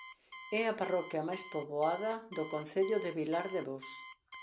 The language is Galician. É a parroquia máis poboada do concello de Vilardevós.